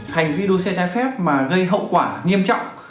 hành vi đua xe trái phép mà gây hậu quả nghiêm trọng